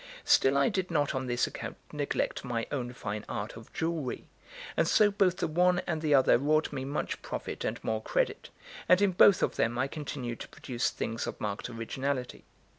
Still I did not on this account neglect my own fine art of jewellery; and so both the one and the other wrought me much profit and more credit, and in both of them I continued to produce things of marked originality.